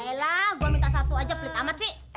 ya ya lah gua minta satu aja beli tamat sih